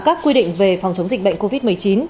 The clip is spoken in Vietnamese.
các quy định về phòng chống dịch bệnh covid một mươi chín